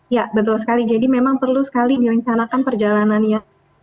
ya betul sekali jadi memang perlu sekali direncanakan perjalanannya